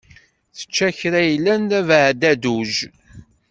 Tečča kra yellan d abeɛdadduj.